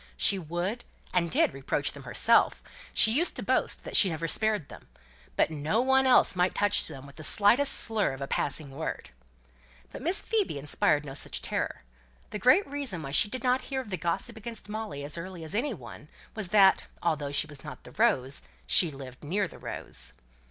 She would and did reproach them herself; she used to boast that she never spared them: but no one else might touch them with the slightest slur of a passing word. But Miss Phoebe inspired no such terror; the great reason why she did not hear of the gossip against Molly as early as any one, was that, although she was not the rose, she lived near the rose.